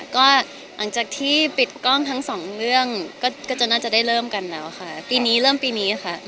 ใช่ค่ะหลังจากพิกล้องทั้งสองเรื่องก็น่าจะได้เริ่มกันแล้วค่ะเริ่มปีนี้ค่ะ